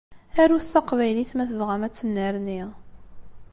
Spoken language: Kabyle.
Arut taqbaylit ma tebɣam ad tennerni.